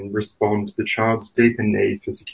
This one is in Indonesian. dan menjawab kebutuhan anak anak